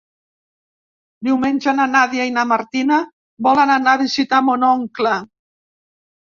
Diumenge na Nàdia i na Martina volen anar a visitar mon oncle.